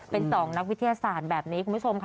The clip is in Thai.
เป็น๒นักวิทยาศาสตร์แบบนี้คุณผู้ชมค่ะ